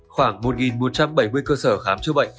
khoảng một một trăm bảy mươi cơ sở khám chữa bệnh